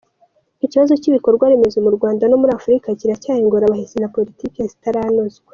Ikibazo cy’ibikorwaremezo mu Rwanda no muri Afurika kiracyari ingorabahizi na politiki zitaranozwa.